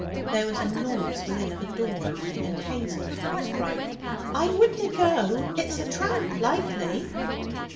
There was a noise within of a door opening, and Hazel's voice cried: 'I wouldna go. It's a tramp, likely.'